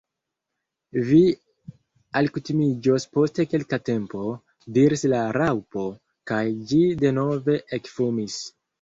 "Vi alkutimiĝos post kelka tempo," diris la Raŭpo, kaj ĝi denove ekfumis.